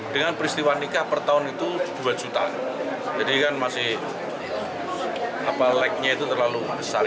dengan peristiwa nikah per tahun itu dua juta jadi kan masih lagnya itu terlalu besar